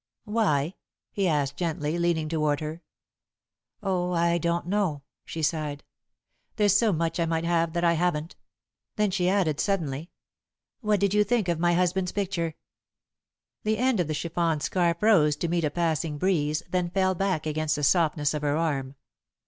"Why?" he asked gently, leaning toward her. "Oh, I don't know," she sighed. "There's so much I might have that I haven't." Then she added, suddenly: "What did you think of my husband's picture?" [Sidenote: Edith's Husband] The end of the chiffon scarf rose to meet a passing breeze, then fell back against the softness of her arm.